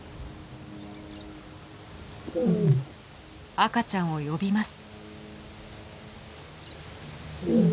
赤ちゃんを呼びます。